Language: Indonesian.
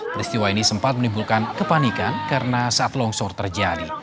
peristiwa ini sempat menimbulkan kepanikan karena saat longsor terjadi